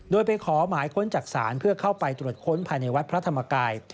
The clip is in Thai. โดยไปขอหมายค้นจากศาลเพื่อเข้าไปตรวจค้นภายในวัดพระธรรมกาย